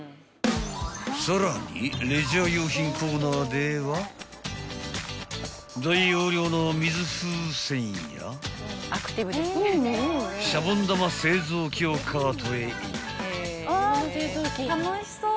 ［さらにレジャー用品コーナーでは大容量の水風船やシャボン玉製造機をカートへイン］